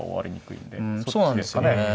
うんそうなんですかね。